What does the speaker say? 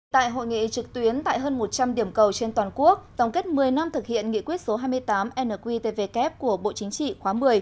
tại hội nghị trực tuyến tại hơn một trăm linh điểm cầu trên toàn quốc tổng kết một mươi năm thực hiện nghị quyết số hai mươi tám nqtvk của bộ chính trị khóa một mươi